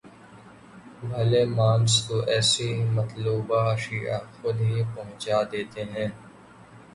بھلے مانس تو ایسی مطلوبہ اشیاء خود ہی پہنچا دیتے ہیں۔